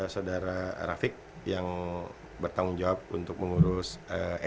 saudara rafiq yang bertanggung jawab untuk mengurus etik